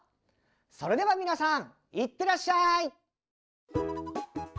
それでは皆さん行ってらっしゃい！